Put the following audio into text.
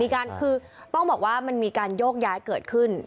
คือต้องบอกว่ามันมีการโยกย้ายเกิดขึ้น